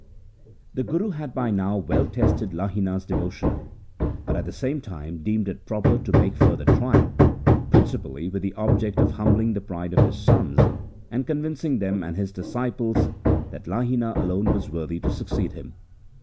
The Guru had by now well tested Lahina's devotion, but at the same time deemed it proper to make further trial, principally with the object of humbling the pride of his sons, and convincing them and his disciples that Lahina alone was worthy to succeed him.